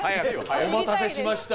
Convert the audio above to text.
お待たせしました。